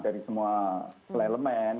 dari semua elemen